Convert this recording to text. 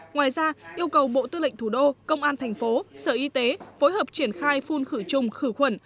ngoài ra yêu cầu bộ tư lệnh thủ đô công an thành phố sở y tế phối hợp triển khai phun khử chung khử khuẩn